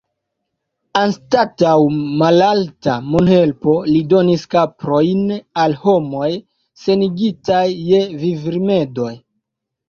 Anstataŭ malalta monhelpo, li donis kaprojn al homoj senigitaj je vivrimedoj.